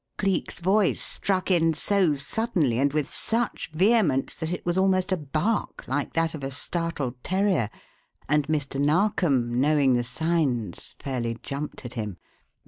_" Cleek's voice struck in so suddenly and with such vehemence that it was almost a bark, like that of a startled terrier, and Mr. Narkom, knowing the signs, fairly jumped at him.